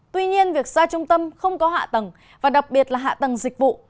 tuy nhiên việc xa trung tâm không có hạ tầng và đặc biệt là hạ tầng dịch vụ